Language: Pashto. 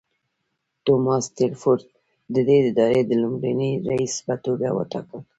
توماس ټیلفورډ ددې ادارې د لومړني رییس په توګه وټاکل.